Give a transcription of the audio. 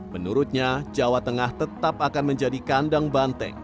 menurutnya jawa tengah tetap akan menjadi kandang banteng